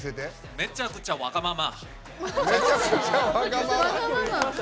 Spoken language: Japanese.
めちゃくちゃわがまま。